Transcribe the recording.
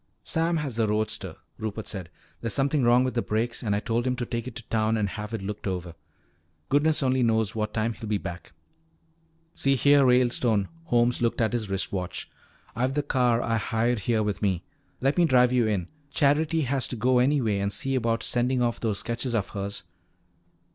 "Sam has the roadster," Rupert said. "There's something wrong with the brakes and I told him to take it to town and have it looked over. Goodness only knows what time he'll be back." "See here, Ralestone," Holmes looked at his wrist watch, "I've the car I hired here with me. Let me drive you in. Charity has to go, anyway, and see about sending off those sketches of hers."